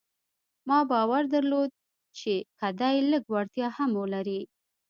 ما باور درلود چې که دی لږ وړتيا هم ولري.